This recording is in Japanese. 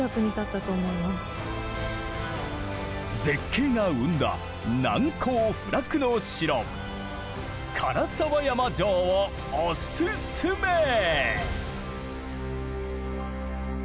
絶景が生んだ難攻不落の城唐沢山城をオススメ！